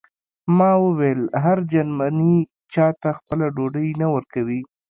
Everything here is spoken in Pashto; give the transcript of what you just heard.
ما وویل هر جرمنی چاته خپله ډوډۍ نه ورکوي